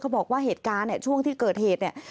บอกว่าเหตุการณ์เนี่ยช่วงที่เกิดเหตุเนี่ย